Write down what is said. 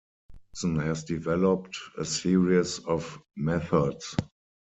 Jackson has developed a series of methods.